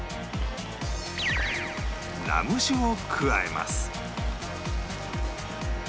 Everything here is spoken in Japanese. ラム酒を加えます